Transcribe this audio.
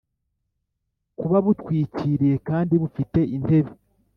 kuba butwikiriye kandi bufite intebe